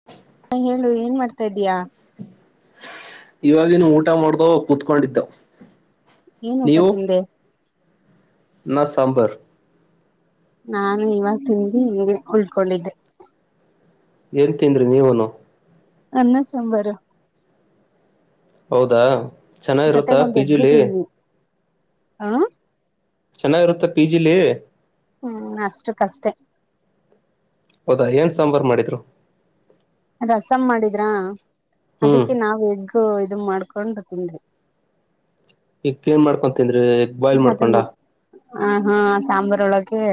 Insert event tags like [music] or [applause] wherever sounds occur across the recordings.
[inaudible] ಹಾ ಹೇಳು ಏನ್ ಮಾಡ್ತಾ ಇದ್ಯಾ. [unintelligible] ಇವಾಗೇನು ಊಟ ಮಾಡ್ದವ ಕುೂತ್ಕೊಂಡಿತ್ತು ಏನ್ ಊಟ ತಿಂದೆ ಅನ್ನಾ ಸಾಂಬರ್. ನಾನು ಇವಾಗ ತಿಂದಿ ಹಿಂಗೆ ಉಳ್ಕೊಂಡಿದ್ದೆ. ಏನ್ ತಿಂದ್ರಿ ನೀವನು ಅನ್ನ ಸಂಬಾರ. ಹೌದಾ ಚೆನ್ನಾಗಿರುತ್ತಾ ಜೊತೆಗ ಒಂದ್ ಪಿ ಎಗ್ ಜಿಲಿ. ತಿಂದ್ವಿ ಹ ಚೆನ್ನಾಗಿರುತ್ತ ಪಿ ಜಿಲಿ ಹ್ಮ್ ಅಷ್ಟು ಕಷ್ಟೇ ಹೌದಾ ಏನ್ ಸಾಂಬರ ಮಾಡಿದ್ರು ರಸಂ ಮಾಡಿದ್ರ ಹ್ಮ್ ಅದಕ್ಕೆ ನಾವ ಎಗ್ ಇದು ಮಾಡ್ಕೊಂಡು ತಿಂದ್ವಿ ಮತ್ತ್ ಏನ್ ಮಾಡ್ಕೊಂಡ ತಿಂದ್ರಿ ಬಾಯ್ಲ್ ಅದನ್ ಹ ಹಾ ಸಾಂಬಾರೊಳಗೆ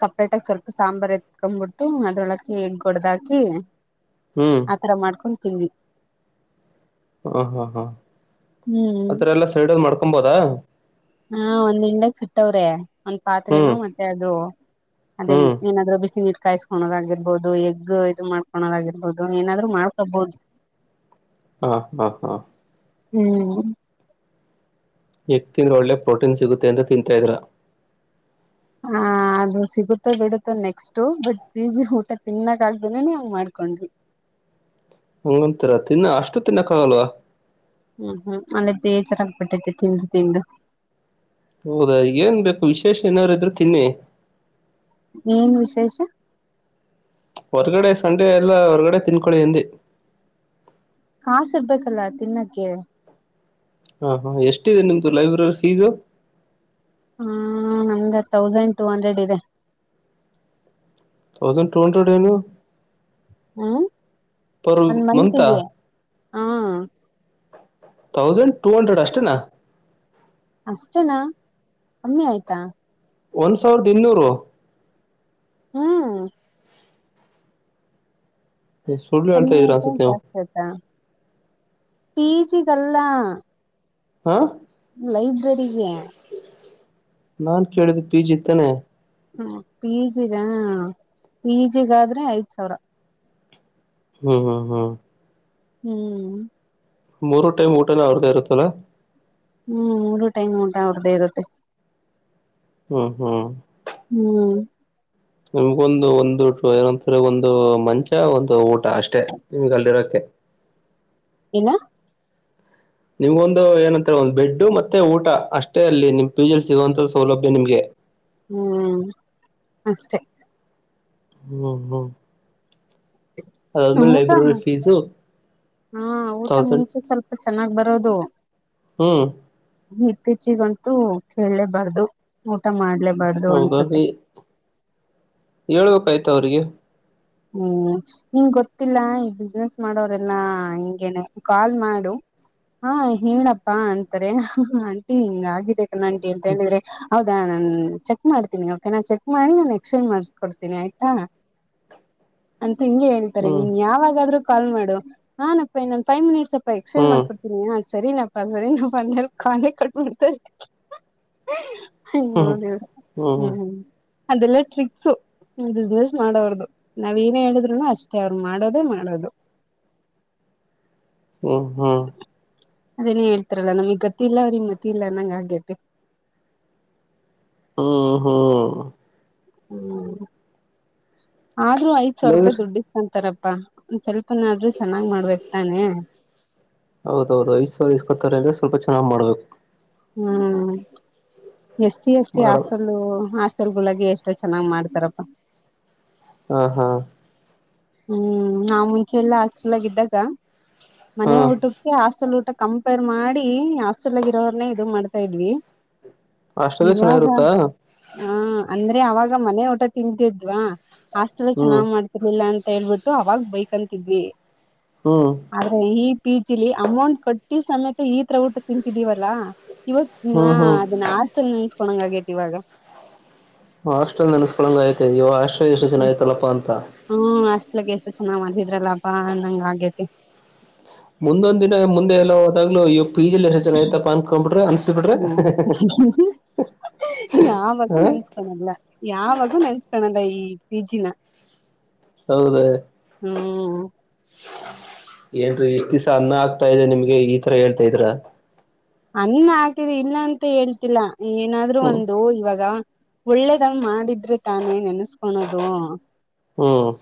ಸಪ್ರೇಟ್ಟಾಗಿ ಸ್ವಲ್ಪ ಸಾಂಬಾರ ಎತ್ಕೊ್ಬಿಟ್ಟು ಅದ್ರೊಳಕ ಎಗ್ ಒಡ್ದಾಕಿ. ಹ್ಮ್ ಆತರ ಮಾಡ್ಕೊಂಡ್ ತಿಂದ್ವಿ. ಹಾ ಹಾ ಹಾ ಹ್ಮ್ ಆತರ ಎಲ್ಲ ಸೈಡಲ್ ಮಾಡ್ಕೊಂಬೋದಾ. ಹಾ ಒಂದ್ ಇಂಡಕ್ಸಿಟ್ಟವ್ರೆ ಒಂದ್ ಪಾತ್ರೆನು ಹ್ಮ್ ಮತ್ತೆ ಅದು. ಅದೆನ್ ಹ್ಮ್ ಏನಾದ್ರು ಬಿಸ್ನೀರ್ ಕಾಯ್ಸ್. ಕೋಣದಾಗಿರ್ಬೋದು ಎಗ್ ಇದು ಮಾಡ್ಕೋಣದಾಗಿರ್ಬೋದು ಏನಾದ್ರು ಮಾಡ್ಕೊಬೋದು. ಹಾ ಹಾ ಹಾ ಹ್ಮ್ ಎಗ್ ತಿಂದ್ರ್ ಒಳ್ಳೆ ಪ್ರೋಟೀನ್ ಸಿಗುತ್ತೆ ಅಂತ ತಿಂತಾಯಿದಿರಾ. ಹ ಅದು ಸಿಗುತ್ತೋ ಬಿಡುತ್ತೋ ನೆಕ್ಸ್ಟ್ ಬಟ್ ಪೀಜಿ ಊಟ ತಿನ್ನಕ್ ಆಗ್ದೆನೇನೆ ಹಂಗ್ ಮಾಡ್ಕೊಂಡ್ವಿ. ಹಂಗಂತೀರ ತಿನ್ನ ಅಷ್ಟು ತಿನ್ನಕ್ಕಾಗಲ್ವಾ? ಹ್ಮ್ ಹ್ಮ್ ಅಲ್ಲೇ ಬೇಜಾರಾಗ್ಬಿಟ್ಟಯ್ತೆ ತಿಂದು ತಿಂದು. ಹೌದಾ ಏನ್ ಬೇಕು ವಿಶೇಷ ಏನಾರು ಇದ್ರ ತಿನ್ನಿ ಏನ್ ವಿಶೇಷ. ಹೊರ್ಗಡೆ ಸಂಡೆ ಎಲ್ಲ ಹೊರ್ಗಡೆ ತಿನ್ಕೊಳಿ ಅಂದೆ. ಕಾಸಿರ್ಬೇಕಲ್ಲ ತಿನ್ನಕ್ಕೆ. ಹಾ ಹಾ ಎಷ್ಟಿದೆ ನಿಮ್ದು ಲೈಬ್ರರಿ ಫೀಜು. ಹಾ ನಮ್ಗೆ ತೌಸಂಡ್ ಟೂ ಹಂಡ್ರೆಡ್ ಇದೆ. ತೌಸಂಡ್ ಟು ಹಂಡ್ರೆಡ್ ಏನು ಹ್ಮ್ [inaudible] ಪರ್ ಒಂದ್ ಮಂತ. ಮಂತ್ಗೆ ಹಾ ತೌಸಂಡ್ ಟು ಹಂಡ್ರೆಡ್ ಅಷ್ಟೇನಾ? ಅಷ್ಟನಾ [inaudible] ಕಮ್ಮಿ ಆಯ್ತಾ? ಒಂದ್ ಸಾವಿರದಾ ಇನ್ನೂರು ಹ್ಮ್ ಸುಳ್ಳು ಹೇಳ್ತಾ ಕಮ್ಮಿ ಇದೀರ ಆಯ್ತ ಅನ್ಸುತ್ತೆ ನೀವು ಜಾಸ್ತಿ ಆಯ್ತ ಪಿ ಜಿ ಗಲ್ಲ ಹಾ ಲೈಬ್ರರಿಗೆ ನಾನ್ ಕೇಳಿದ್ ಪಿ ಜಿ ತಾನೆ ಹ್ಮ್ ಪಿ ಜಿ ಗ ಪಿಜಿಗಾದ್ರೆ ಐದ್ ಸಾವಿರಾ ಹ್ಮ್ ಹ್ಮ್ ಹ್ಮ್ ಹ್ಮ್ ಮೂರು ಟೈಮ್ ಊಟನ ಅವರ್ದೇ ಇರುತ್ತಾ ಹ್ಮ್ ಮೂರು ಟೈಮ್ ಊಟಾ ಅವ್ರದೇ ಇರುತ್ತೆ ಹ್ಮ್ ಹ್ಮ್ ಹ್ಮ್ ನಿಮ್ಗೊಂದು ಒಂದು ಏನಂತ್ರ ಒಂದು ಮಂಚ ಒಂದು ಊಟ ಅಷ್ಟೇ ನಿಮ್ಗ ಅಲ್ಲಿರೋಕ ಏನು ನಿಮ್ಗೊಂದು ಏನಂತಾರೆ ಒಂದು ಬೆಡ್ಡು ಮತ್ತೆ ಊಟಾ ಅಷ್ಟೇ ಅಲ್ಲಿ ನಿಮ್ ಪಿ ಜಿಲ್ ಸಿಗುವಂತ ಸೌಲಭ್ಯ ನಿಮ್ಗೆ ಹ್ಮ್ ಅಷ್ಟೇ ಹ್ಮ್ ಹ್ಮ್ ಅಮೇಲೆ ಊಟ ಲೈಬ್ರರರಿ ಫೀಸು ಹಾ ಊಟ ತೌಸಂಡ್ ಮುಂಚೆ ಸ್ವಲ್ಪ ಚೆನ್ನಾಗ್ ಬರೋದು ಹ್ಮ್ ಇತ್ತೀಚಿಗಂತೂ ಕೇಳಲೇಬಾರ್ದು ಊಟ ಮಾಡ್ಲೇಬಾರ್ದು ಅನ್ಸತ್ತೆ ಹೇಳ್ಬೇಕಾಯ್ತು ಅವ್ರಿಗೆ ಹ್ಮ್ ನಿಂಗ ಗೊತ್ತಿಲ್ಲ ಈ ಬಿಸ್ನೆಸ್ ಮಾಡೋರೆಲ್ಲಾ ಹಿಂಗೆೇನೆ ಕಾಲ್ ಮಾಡು ಹಾ ಹೇಳಪ್ಪಾ ಅಂತಾರೆ ಆಂಟಿ ಹಿಂಗ ಆಗಿದೆ ಕಣಂಟಿ ಅಂತ ಹೇಳಿದ್ರೆ ಹೌದಾ ನಾನ್ ಚೆಕ್ ಮಾಡ್ತೀನಿ ಓಕೆ ನಾ ಚೆಕ್ ಮಾಡಿ ನಾನು ಎಕ್ಸ್ಚೇಂಜ್ ಮಾಡ್ಸ್ಕೊಡ್ತೀನಿ ಆಯ್ತಾ ಅಂತ ಹಿಂಗೆ ಹೇಳ್ತಾರೆ ಹ್ಮ್ ನೀನ್ ಯಾವಾಗಾದರೂ ಕಾಲ್ ಮಾಡು ಹಾನಪ್ಪಿ ಫೈವ್ ಮಿನಿಟ್ಸ್ ಪ್ಪ ಎಕ್ಸ್ಚೇಂಜ್ ಹ್ಮ್ ಮಾಡ್ಕೊಡ್ತೀನಿ ಸರಿನಪ್ಪ ಸರಿನಪ್ಪ ನಾ ಅಂತಾ ಕಾಲೆ ಕಟ್ ಹ ಹ್ಮ್ ನೋದ ಹ್ಮ್ ಹ್ಮ್ ಅದೆಲ್ಲಾ ಟ್ರಿಕ್ಸು ಬಿಸ್ನೆಸ್ ಮಾಡೋರ್ದು ನಾವ್ ಏನೇ ಹೇಳಿದ್ರುನು ಅಷ್ಟೇ ಅವ್ರು ಮಾಡೋದೇ ಮಾಡೋದು ಹುಂ ಹುಂ ಅದೇನೇ ಹೇಳ್ತಾರಲ್ಲ ನಮಗ್ ಗ ಇಲ್ಲ ಅವ್ರಗ್ ಮತಿ ಇಲ್ಲ ಹಂಗ ಆಗೇೆತೇ ಹ್ಮ ಹ್ಮ ಹೂ ಹ್ಮ್ ಆದ್ರೂ ಐದ ಸಾವಿರ ಇಲ್ಲಂದ್ರ ರೂಪಾಯಿ ದುಡ್ಡಿನ ಅಂತಾರಪ್ಪಾ ಸ್ವಲ್ಪನಾದ್ರೂ ಚೆನ್ನಾಗ್ ಮಾಡ್ಬೇಕ್ ತಾನೆ ಹೌದೌದು ಐದ ಸಾವಿರ ಇಸ್ಕೊತಾರೆ ಅಂದ್ರೆ ಸ್ವಲ್ಪ ಚೆನ್ನಾಗಿ ಮಾಡಬೇಕು ಹ್ಮ್ ಎಷ್ಟ ಎಷ್ಟು ಮಾಡ ಆಸ್ತ ಹಾಸ್ಟೆಲ್ ಗಳಗ ಎಷ್ಟು ಚೆನ್ನ್ ಮಾಡ್ತಾರಪ್ಪಾ ಹಾ ಹಾ ಹ್ಮ್ ನಾವು ಮುಂಚೆ ಎಲ್ಲಾ ಹಾಸ್ಟಲನಾಗ ಇದ್ದಾಗ ಹಾ ಮನೆ ಊಟಾ ಹಾಸ್ಟೆಲ್ ಊಟ ಕಂಪೇರ್ ಮಾಡಿ ಹಾಸ್ಟೆಲ್ ಗೆ ಇರೋರನೆೇ ಇದು ಮಾಡ್ತಾ ಇದ್ವಿ ಹಾಸ್ಟೆಲ್ ಇವಾಗ ಚೆನ್ನಾಗಿರುತ್ತಾ ಹ ಅಂದ್ರೆ ಅವಾಗ ಮನೆ ಊಟ ತಿಂತಿದ್ವಾ ಹಾಸ್ಟೆಲ್ ಹ್ಮ್ ಚೆನ್ನಾಗ್ ಮಾಡ್ತಿರ್ಲಿಲ್ಲ ಅಂತ ಹೇಳ್ಬಿಟ್ಟು ಅವಾಗ ಬೈಕ್ಂತಿದ್ವಿ. ಹ್ಮ ಆದ್ರೆ ಈ ಪಿ ಜಿಲಿ ಅಮೌಂಟ್ ಕಟ್ಟಿ ಸಮೇತ ಈತ್ರ ಊಟ ತಿಂತಿದೀವಲ್ಲಾ. ಇವಾಗ ಹಾ ಹ್ಮ್ ಹ್ಮ್ ಅದನ್ನ ಆಸ್ಟಲ್ ನೆನ್ಸ್ಕೊಳಂಗ ಆಗೇತಿ ಇವಾಗ. ಹಾಸ್ಟೆಲ್ ನೆನ್ಸ್ಕಳಂಗ ಆಯ್ತೆ ಇವ ಹಾಸ್ಟ್ರೆಲ್ ಎಷ್ಟು ಚೆನ್ನಾಗಿತ್ತಲ್ಲಪ್ಪ ಅಂತ. ಹ್ಮ್ ಹಷ್ಟಲಗ್ ಎಷ್ಟು ಚೆನ್ನಮಾಡಿದ್ರಲ್ಲಪ್ಪ ಅನ್ನೋಗೆ ಆಗೇತಿ. ಮುಂದೊಂದ್ ದಿನ ಮುಂದೆ ಎಲ್ಲೋದಾಗ್ಲುೂ ಅಯ್ಯೋ ಪಿ ಜಿಲಿ. ಚೆನ್ನಾಗಿ ಇತಪ್ಪ ಅನ್ಕೊಂಡ್ಬಿಟ್ರಿ ಅನ್ಸಬಿಟ್ರೆ ಹ್ಮ್ ಯಾವಾಗೂ ಹ ಯಾವಾಗೂ ನೆನಸಿಕನಲ್ಲ ಈ ಪಿ ಜಿ ನಾ. ಹೌದ. ಹ್ಮ್ ಏನ್ರೀ ಇಷ್ಟ್ ದಿವ್ಸ ಅನ್ನ ಆಗ್ತಾ ಇದೆ ನಿಮ್ಗೆ ಈತರ ಹೇಳ್ತಾಯಿದಿರ. ಅನ್ನಆಗ್ತಿದೆ ಇಲ್ಲ ಅಂತ ಹೇಳ್ತಿಲ್ಲ ಏನಾದ್ರು ಹ್ಮ್ ಒಂದು ಇವಾಗ. ಒಳ್ಳೇದಾಗ ಮಾಡಿದ್ರೆ ತಾನೇ ನೆನ್ಸ್ಕೊಳದು. ಹ್ಮ್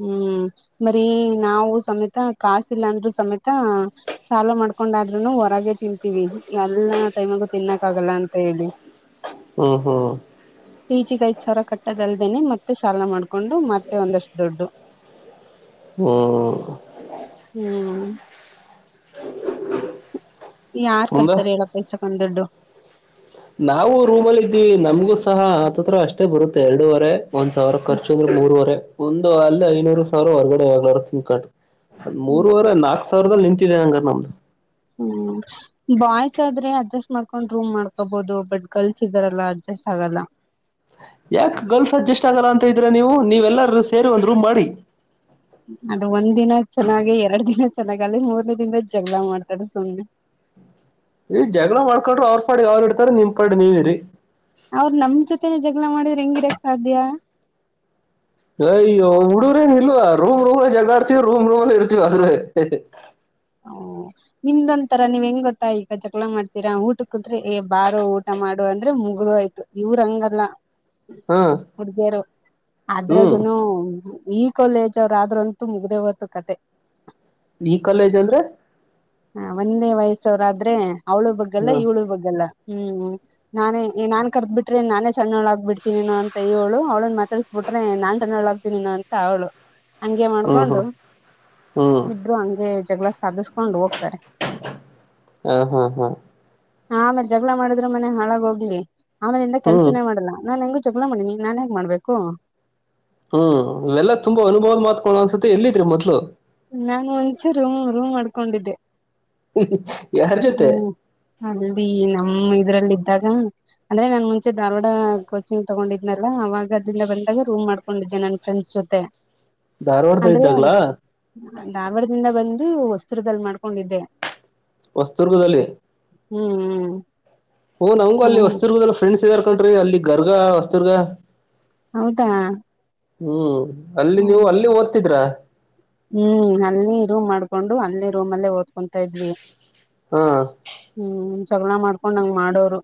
ಹ್ಮ್ ಬರಿ ನಾವು ಸಮೇತ ಕಾಸಿಲ್ಲಾಂದ್ರು ಸಮೇತ. ಸಾಲ ಮಾಡ್ಕೊಂಡಾದ್ರುನು ಹೊರಗೆೇ ತಿಂತೀವಿ ಎಲ್ಲ ಟೈಮಗು ತಿನ್ನಕ್ ಆಗಲ್ಲ ಅಂತ ಹೇಳಿ. ಹ್ಮ ಹ್ಮ ಪಿ ಜಿ ಗೆ ಐದ್ ಸಾವಿರ ಕಟ್ಟೋದಲ್ದೇನೆ ಮತ್ತೆ ಸಾಲ ಮಾಡ್ಕೊಂಡು ಮತ್ತೆ ಒಂದಷ್ಟು. ದುಡ್ಡು. ಹ್ಮ್ ಹ್ಮ್ ಹ್ಮ್ ಯಾರ್ ಮುಂದ ಕಟ್ತಾರೆ ಹೇಳಪ್ಪ ಇಸ್ಟೊದು ದುಡ್ಡು. ನಾವು ರೂಮಲ್ಲಿ ಇದ್ದೀವಿ ನಮ್ಗೂ ಸಹ ಹತ್ಹತ್ತಿರ ಅಷ್ಟೇ ಬರುತ್ತೆ ಎರಡೂವರೆ. ಒಂದ್ ಸಾವಿರ ಖರ್ಚುದ್ರೆ ಮೂರವರೆ ಒಂದು ಅಲ್ಲಿ ಐನೂರು ಸಾವಿರ ಹೊರ್ಗಡೆ ಎಲ್ಲಾದ್ರೂ ತಿನ್ಕೋಳೋದ್. ಅದ್ ಹ್ಮ್ ಮೂರ್ವರೆ ನಾಕ್ ಸಾವಿರದದಲ್ಲಿ ನಿಂತಿದೆ ಹಂಗರೆ ನಮ್ದು. ಹ್ಮ್. ಬಾಯ್ಸ್ ಆದ್ರೆ ಅಡ್ಜಸ್ಟ್ ಮಾಡ್ಕೊಂಡ್ ರೂಮ್ ಮಾಡ್ಕೋಬಹುದು ಬಟ್ ಗರ್ಲ್ಸ್ ಇದಾರಲ್ಲ ಅಡ್ಜಸ್ಟ್ ಆಗಲ್ಲ. ಯಾಕೆ ಗರ್ಲ್ಸ್ ಅಡ್ಜಸ್ಟ್ ಆಗಲ್ಲ ಅಂತ ಇದ್ದೀರಾ ನೀವು ನೀವೆಲ್ಲರೂ ಸೇರಿ ಒಂದು ರೂಮ್ ಮಾಡಿ. ಅದು ಒಂದ್ ದಿನ ಚೆನ್ನಾಗಿ ಎರಡ್ ದಿನ ಚೆನ್ನಾಗ ಅಲ್ಲಿ ಮೂರ್ನೇ ದಿನದ ಜಗಳ ಮಾಡ್ತಾಾರೆ ಸುಮ್ಮನೆ. ಈ ಜಗಳ ಮಾಡ್ಕೊಂಡ್ರರು ಅವ್ರ ಪಾಡಿಗೆ ಅವ್ ಇಡ್ತಾರೆ ನಿಮ್ಮ ಪಾಡಿಗೆ ನೀವು ಇರಿ. ಅವ್ರ್ ನಮ್ ಜೊತೆನೆೇ ಜಗಳ ಮಾಡಿದ್ರೆ ಹೆಂಗ ಇರೋಕೆ ಸಾಧ್ಯ ಅಯ್ಯೋ ಹುಡುಗ್ರೇನ್ ಇಲ್ವಾ ರೂಮ್ ರೂಮಲ್ಲಿ ಜಗಾಡ್ತಿವಿ ರೂಮ್ ರೂಮ್ಲ್ಲಿ ಇರ್ತಿವಿ ಆದ್ರೆ. ಓಹೋ. ನಿಮ್ದೊಂಂತರ ನೀವ್ ಹೆಂಗ ಗೊತ್ತಾ ಈಗ ಚಕಲ ಮಾಡ್ತೀರಾ ಊಟಕ್ಕೇ ಕುಂತ್ರೆ ಬಾರು ಊಟ ಮಾಡು ಅಂದ್ರೆ ಮುಗಿದು ಹೋಯ್ತು. ಇವ್ರ ಹಂಗಲ್ಲ ಹಾ ಹುಡುಗಿಯರು ಹ್ಮ್ ಅದ್ರಗು ಈ. ಕಾಲೇಜ್ ಅವ್ರರು ಆದ್ರಂತೂ ಮುಗ್ದೇವೊಯ್ತು ಕತೆ. ಈ ಕಾಲೇಜ್ ಅಂದ್ರೆ. ಹ ಒಂದೇ ವಯಸ್ಸವ್ರ ಆದ್ರೆ ಅವ್ಳು ಬಗ್ಗಲ್ಲ ಹ್ಮ ಇವಳು ಬಗ್ಗಲ್ಲ ಹ್ಮ್. ನಾನೇ ನಾನ್ ಕರೆದು ಬಿಟ್ರೆ ನಾನೇ. ಸಣ್ಣೊಳಗಗ್ ಬಿಡ್ತೀನಿನು ಅಂತ ಇವಳು ಅವಳನ್ನ ಮಾತಡಿಸಿ ಬಿಟ್ರೆ ನಾನ್ ಸಣ್ಣಳ್ಳ ಆಗ್ತೀನಿನು ಅಂತ ಅವಳು. ಹಂಗೆ ಹ್ಮ್ ಮಾಡ್ಕೊಂಡು ಹ್ಮ್ ಹ್ಮ್ ಇಬ್ರು ಹಗೆ ಜಗಳ ಸಾಧಿಸ. ಕೊಂಡು ಹೋಗ್ತಾರೆ. ಹ ಹಾ ಹಾ ಹ ಆಮೇಲೆ ಜಗಳ ಮಾಡಿದ್ರು ಮನೆಹಾಳಾಗಿ ಹೋಗ್ಲಿ ಆಮೇನಿಂದ ಹ್ಮ್ ಕೆಲ್ಸನೇ ಮಾಡಲ್ಲಾ ನಾನ್ ಹೆಂಗು. ಜಗಳ ಮಾಡಿನೀ ನಾನ್ ಯಾಕೆ ಮಾಡ್ಬೇಕು. ಹು ಇವೆಲ್ಲ ತುಂಬಾ ಅನುಭವದ ಮಾತಗಳು ಅನ್ಸುತ್ತೆ ಎಲ್ಲಿದ್ರಿ ಮೊದ್ಲು. ನಾನು ಮುಂಚೆ ರೂಮ ರೂಮ ಮಾಡಡ್ಕೊಂಡಿದ್ದೆ ಯಾರ ಹು ಜೊತೆ ಅಲ್ಲಿ ನಮ್ಮ ಇದ್ರಲ್ಲಿ ಇದ್ದಾಗಾ. ಅಂದ್ರೆ ನಾನ್ ಮುಂಚೆ ಧಾರ್ವಾಡಾ ಕೋಚಿಂಗ್ ತಗೊಂಡಿದ್ನಲ್ಲಾ ಅವಾಗ. ಗದಗಿಂದ ಬಂದಾಗ ರೂಮ ಮಾಡ್ಕೊಂಡಿದ್ದೆ ನನ್ನ ಫ್ರೆಂಡ್ಸ ಜೊತೆ. ಧಾರವಾಡದಲ್ಲಿ ಅಂದ್ರೆ ಇದ್ದಾಗ್ಲಾ. ಧಾರವಾಡದಿಂದ ಬಂದು ವಸ್ತ್ರದಲ್ಲಿ ಮಾಡ್ಕೊಂಡಿದ್ದೆ. ಹೊಸ್ದುರ್ಗದಲ್ಲಿ. ಹು ಹು ಓ ನಂಗು ಅಲ್ಲಿ ಹೊಸ್ದುರ್ಗದಲ್ಲಿ ಫ್ರೆಂಡ್ಸ್ ಇದ್ದಾರ್ ಕನಡ್ರಿ ಅಲ್ಲಿ ಗರಗಾ ಹೊಸ್ದುರ್ಗಾ. ಹೌದಾ ಹು ಅಲ್ಲಿ ನೀವು ಅಲ್ಲಿ ಓದ್ತಿದ್ರಾ. ಹು ಅಲ್ಲಿ ರೂಮ್ ಮಾಡ್ಕೊಂಡು ಅಲ್ಲಿ ರೂಮ್ ಅಲ್ಲೇ ಓದ್ಕೊಂತಾ ಇದ್ವಿ. ಹಾ ಹು ಜಗಳಾ ಮಾಡ್ಕೊಂಡ ಹಂಗ ಮಾಡೋರು.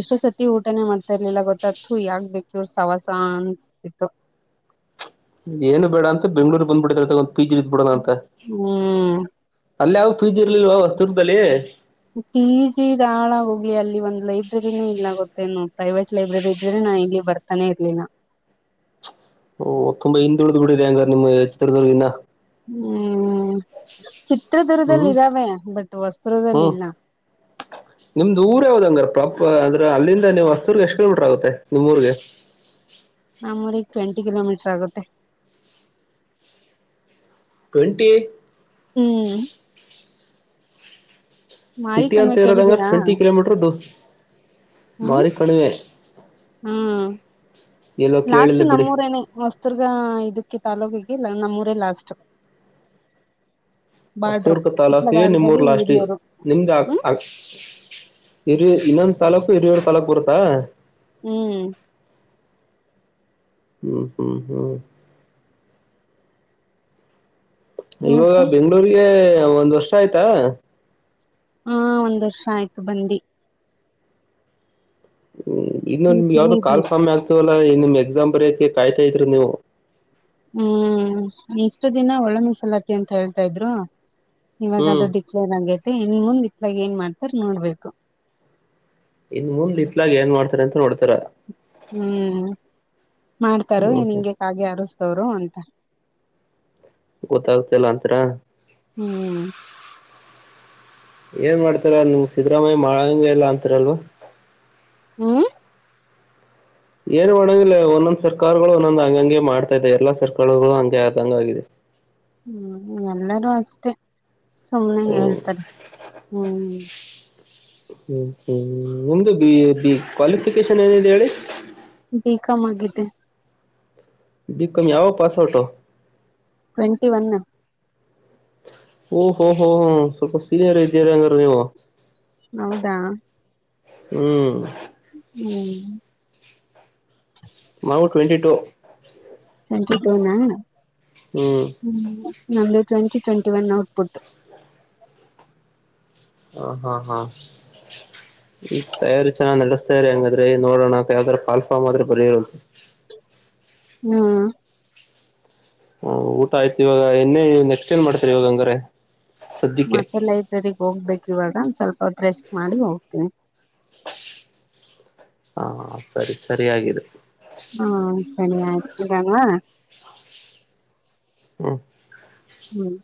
ಎಷ್ಟೋ ಸತಿ ಊಟನೇ ಮಾಡ್ತಾ ಇರ್ಲಿಲ್ಲಾ ಗೊತ್ತಾ ತ್ತು ಯಾಕ್ ಬೇಕ ಇವ್ರು ಸವಾಸಾ ಅನ್ಸ್ತಿತ್ತು. ಏನು ಬೇಡಾ ಅಂತ ಬೆಂಗ್ಳೂರಿಗೆ ಬಂದ್ಬಿಟ್ಟಿದಾರ ಒಂದ ಪಿ ಜಿ ಇದ್ದ ಬಿಡೋಣ ಅಂತ. ಹ್ಮ್ ಅಲ್ಲಿ ಯಾವ ಪಿ ಜಿ ಇರ್ಲಿಲ್ವ ವಸದುರ್ಗದಲ್ಲಿ. ಪಿಜಿ ಗಾಳಾಹೋಗ್ಲಿ ಅಲ್ಲಿ ಒಂದು ಲೈಬ್ರೆರಿನೂ ಇಲ್ಲ ಗೊತ್ತೇನು ಪ್ರೈವೇಟ್ ಲೈಬ್ರೆರಿ ಇದ್ರೆ ನಾ ಇಲ್ಲಿ ಬರ್ ತಾನೇ ಇರ್ಲಿಲ್ಲಾ. ಓ ತುಂಬಾ ಹಿಂದುಳಿದು ಬಿಟ್ಟಿದೆ ಹಂಗ ನಿಮ್ಮ ಚಿತ್ರದುರ್ಗ ಇನ್ನ. ಹು ಚಿತ್ರದುರ್ಗದಲ್ಲಿ ಹ್ಮ್ ಇದ್ದಾವೆ ಬಟ್ ಹೊಸದುರ್ಗದಲ್ಲಿ ಇಲ್ಲಾ. ಟಕ್ಕ ನಿಮ್ದ ಊರ ಯಾವ್ದ ಹಂಗಾರ ಪ್ರಾಪರ್ ಅಂದ್ರ ಅಲ್ಲಿಂದ ಅಲ್ಲಿಗೆ ಹೊಸದುರ್ಗ ಎಷ್ಟ ಕಿಲೋಮೀಟರ್ ಆಗುತ್ತೆ ನಿಮ್ಮ ಊರಗೆ. ನಮ್ಮಊರಿಗೆ ಟ್ವೆಂಟಿ ಕಿಲೋಮೀಟರ್ ಆಗುತ್ತೆ. ಟ್ವೆಂಟಿ ಹು ಮಾರಿ ಸಿಟಿ ಅಂತ ಕಣ್ವೆ ಇರೋದೆಲ್ಲಾ ಕೇಳಿದೀರಾ ಟ್ವೆಂಟಿ ಕಿಲೋಮೀಟರ್ ದೂರ ಹ್ಮ್ ಮಾರಿ ಕಣಿವೆ. ಹ್ಮ್ ಎಲ್ಲೋ ಲಾಸ್ಟ್ ಕೇಳಿಲ್ಲ ಬಿಡಿ. ನಮ್ಮೂರೇನೆ ಹೊಸದುರ್ಗ ಇದಕ್ಕೆ ತಾಲೂಕಿಗೆ ನಮ್ಮೂರೆ ಲಾಸ್ಟ. ಬಾಡ್ರು ಹೊಸದುರ್ಗ ಇತ್ಲಾಗ ತಾಲೂಕಿಗೆ ನಿಮ್ಮೂರ್ ಆಲ್ರೆಡಿ ಲಾಸ್ಟ್. ಹಿರಿಯರು ನಿಮ್ಮದ ಹ್ಮ್ ಹಂಕ ಹಿರಿಯ ಇನ್ನೊಂದು ತಾಲೂಕು ಹಿರಿಯಳ ತಾಲೂಕು ಬರುತ್ತಾ. ಹು ಹು ಹು ಹು ಇವಾಗ ಮತ್ತೆ ಬೆಂಗ್ಗಳೂರಿಗೆ ಒಂದ್ ವರ್ಷ ಆಯ್ತಾ. ಹಾ ಒಂದ ವರ್ಷ ಆಯ್ತು ಬಂದಿ. ಹು ಇನ್ನು ನಿಮಗೆ ಈಗಿಲ್ಲ ಯಾವ್ದ ಇದು ಕಾಲ್ ಫಾರ್ಮ ಆಗ್ತವಲ್ಲಾ ನಿಮ್ಮ ಎಕ್ಸಾಮ್ ಬರಯಕ್ಕೆ ಕಾಯ್ತಾ ಇದ್ರಿ ನೀವು. ಹ ಇಷ್ಟು ದಿನಾ ಒಳ ಮೀಸಲಾತಿ ಅಂತ ಹೇಳ್ತಾ ಇದ್ರು ಇವಾಗ ಹ್ಮ್ ಡಿ ಇವಾಗಹಗೈತೆ ಇನ ಮುಂದ ಇತ್ತಾಗ ಏನ ಮಾಡ್ತಾರ ನೋಡ್ಬೇಕು. ಇನ ಮುಂದ ಇತ್ಲಾಗ ಏನ ಮಾಡ್ತಾರ ಅಂತ ನೋಡ್ತಿರ. ಹು ಮಾಡ್ತಾರು ಹ್ಮ್ ಎನ ಹ್ಮ್ ಹಿಂಗೆ ಕಾಗೆ ಹಾರಸ್ತವ್ರು ಅಂತ. ಗೊತ್ತಾಗತಿಲ್ಲಾ ಅಂತತ್ರಾ. ಹು ಏನ್ ಮಾಡತ್ತೀರಾ ನೀಮ್ಮ ಸಿದ್ದರಾಮಯ್ಯ ಮಾಡಂಗೆಲ್ಲಾ ಅಂತರಲ್ವಾ. ಹು ಏನ್ ಮಾಡಂಗಿಲ್ಲ ಒಂದೊಂದ್ ಸರ್ಕಾರಗಳು ಒಂದೊಂದ್ ಹಂಗಂಗೆ ಮಾಡ್ತಾ ಇದೆ ಎಲ್ಲಾ ಸರ್ಕಾರಗಳು ಹಂಗೆ ಆದಂಗ ಆಗಿದೆ ಹ್ಮ್ ಎಲ್ಲರೂ ಅಷ್ಟೇ ಸುಮ್ನೆ ಹ್ಮ್ ಹೇಳ್ತಾರೆ ಹ್ಮ್ ಹ್ಮ್ ಹ್ಮ್ ನಿಮ್ದು ಬಿ ಬಿ ಕ್ವಾಲಿಫಿಕೇಶನ್ ಏನಿದೆ ಹೇಳಿ ಬಿ. ಕಾಮ್ ಆಗಿದೆ ಬಿಕಾಮ್ ಯಾವೋ ಪಾಸ್ಔಟೋ ಟ್ವೆಂಟಿ ಒನ್ ಓ ಹೊ ಹೊ ಹ್ಮ್ ಸ್ವಲ್ಪ ಸೀನಿಯರ್ ಇದ್ದಿರಾ ಅಂಗಾರೆ ನೀವು ಹೌದಾ ಹ್ಮ್. ಹ್ಮ್. ನಾವು ಟ್ವೆಂಟಿ ಟು ಟ್ವೆಂಟಿ ಟು ನಾ ಹ್ಮ್. ಹ್ಮ್ ನಮ್ದು twenty twenty one output ಹ ಹಾ ಹಾ ಈಗ್ ತಯಾರಿ ಚೆನ್ನಾಗಿ ನಡೆಸ್ತಾ ಇರಿ ಹಂಗಾದ್ರೆ ನೋಡೋಣ ಯಾವ್ದಾರ ಕಾಲ್ ಫಾರ್ಮ್ ಆದ್ರೆ ಬರಿರಿ ಹ್ಮ್. [unintelligible] ಹ ಊಟ ಆಯ್ತು ಇವಾಗ ಇನ್ನೆ ನೆಕ್ಸ್ಟ್ ಏನ್ ಮಾಡ್ತರಿ ಇವಾಗ ಹಂಗಾರೆ ಸದ್ಯಕ್ಕೆ ಮತ್ತೆ ಲೈಬ್ರರಿಗ್ ಹೋಗ್ಬೇಕ್ ಇವಾಗ ಸ್ವಲ್ಪ ಹೊತ್ ರೆಸ್ಟ್ ಮಾಡಿ ಹೋಗ್ತೀನಿ. ಹಾ ಸರಿ ಸರಿಯಾಗಿದೆ ಹ್ಮಾ ಸರಿ ಆಯ್ತು ಇಡಣ್ವಾ. ಹ್ಮು. ಹ್ಮ್.